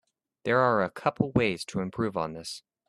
There are a couple ways to improve on this.